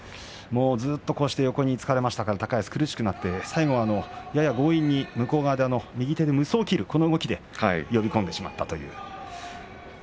横につかれましたから高安は苦しくなってやや強引に向こう側で右手で無双を切る動きで呼び込んでしまったということです。